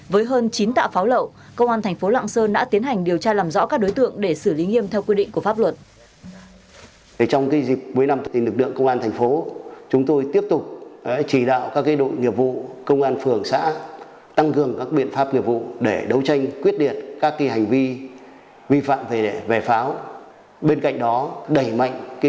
với hơn chín tạ pháo lậu công an tp lạng sơn đã cất giấu tinh vi để ngang nhiên thông qua đường chính ngạch tại địa bàn tỉnh lạng sơn từ đầu năm đến nay